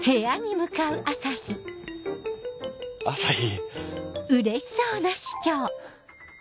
朝陽。